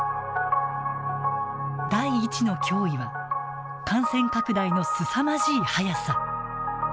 第１の脅威は感染拡大のすさまじい速さ。